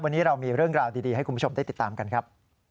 วันนี้เรามีเรื่องราวดีให้คุณผู้ชมได้ติดตามกันครับ